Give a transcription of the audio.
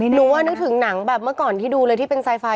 หนูว่านึกถึงหนังแบบเมื่อก่อนที่ดูเลยที่เป็นไซไฟ